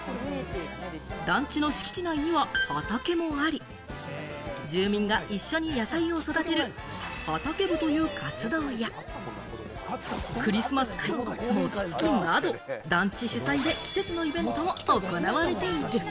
団地の敷地内には畑もあり、住民が一緒に野菜を育てるハタケ部という活動や、クリスマス会、餅つきなど団地主催で季節のイベントも行われている。